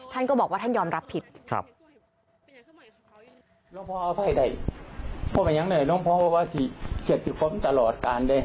ท่านก็บอกว่าท่านยอมรับผิด